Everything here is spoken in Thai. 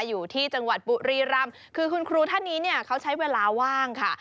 อยู่ที่จังหวัดบุรีรำคือคุณครูท่านนี้เนี่ยเขาใช้เวลาว่างค่ะ